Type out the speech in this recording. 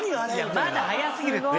まだ早すぎるって。